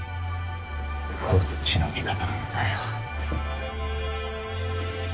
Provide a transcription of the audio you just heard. どっちの味方なんだよ。